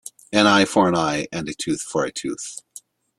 An eye for an eye and a tooth for a tooth.